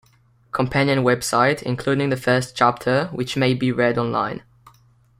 Companion web site, including the first chapter, which may be read online.